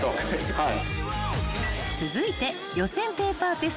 はい。